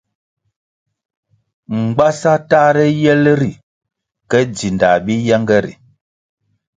Mgbasa tahre yel ri ke dzindah bi yenge ri.